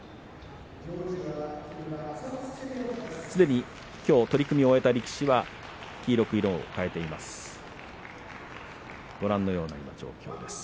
すでにきょう取組を終えた力士は黄色く色を変えています。